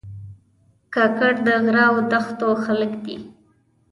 کاکړ د غره او دښتو خلک دي.